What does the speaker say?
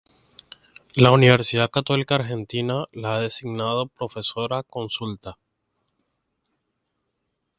La Universidad Católica Argentina la ha designado Profesora Consulta.